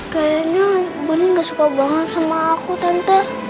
kayaknya bonny gak suka banget sama aku tante